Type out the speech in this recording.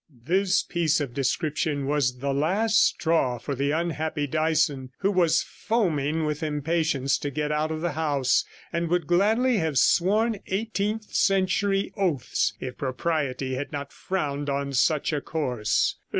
This piece of description was the last straw for the unhappy Dyson, who was foaming with impatience to get out of the house, and would gladly have sworn eighteenth century oaths, if propriety had not frowned on such a course.